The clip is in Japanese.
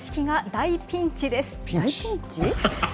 大ピンチ？